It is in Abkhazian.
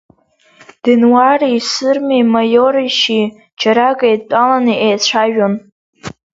Денуари, Сырмеи, Маиоричи џьарак еидтәаланы еицәажәон.